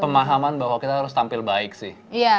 pemahaman bahwa kita harus tampil baik sih